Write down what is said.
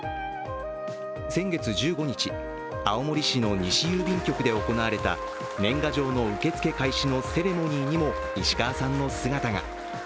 先月１５日、青森市の西郵便局で行われた年賀状の受付開始のセレモニーにも石川さんの姿が。